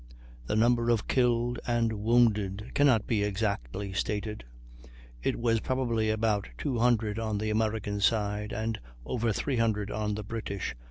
The number of killed and wounded can not be exactly stated; it was probably about 200 on the American side, and over 300 on the British.